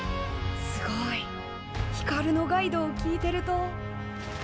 すごいひかるのガイドを聞いてると。